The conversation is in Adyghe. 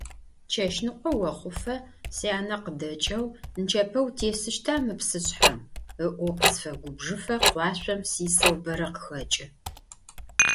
Чэщныкъо охъуфэ, сянэ къыдэкӀэу «нычэпэ утесыщта мы псышъхьэм» ыӀоу, къысфэгубжыфэ къуашъом сисэу бэрэ къыхэкӀы.